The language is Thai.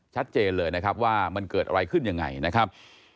ชัดเจนเลยนะครับว่ามันเกิดอะไรขึ้นยังไงนะครับ